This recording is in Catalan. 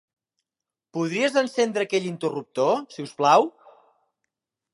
Podries encendre aquell interruptor, si us plau?